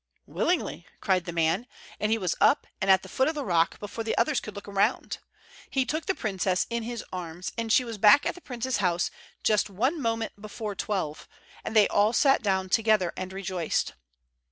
"Willingly," cried the man, and he was up and at the foot of the rock before the others could look round. He took the princess in his arms, and she was back in the prince's house just one moment before twelve, and they all sat down together and rejoiced.